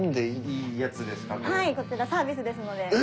はいこちらサービスですので。